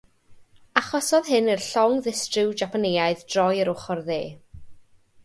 Achosodd hyn i'r llong ddistryw Japaneaidd droi i'r ochr dde.